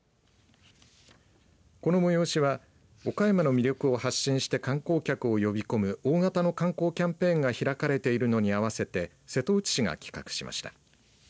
この催しは岡山の魅力を発信して観光客を呼び込む大型の観光キャンペーンが開かれているのに合わせて瀬戸内市が企画しました。